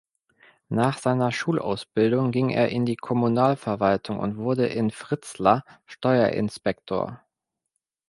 Nach seiner Schulausbildung ging er in die Kommunalverwaltung und wurde in Fritzlar Steuerinspektor.